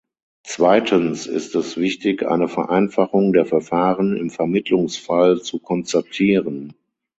Zweitens ist es wichtig, eine Vereinfachung der Verfahren im Vermittlungsfall zu konstatieren.